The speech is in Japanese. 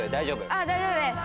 ああ大丈夫です。